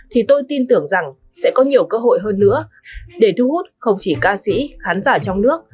thì tôi tin tưởng rằng sẽ có nhiều cơ hội hơn nữa để thu hút không chỉ ca sĩ khán giả trong nước